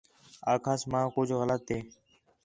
آکھاس ماں کُج غلط ہِے